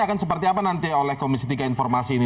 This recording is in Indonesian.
akan seperti apa nanti oleh komisi tiga informasi ini